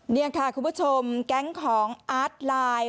นี่ค่ะคุณผู้ชมแก๊งของอาร์ตไลน์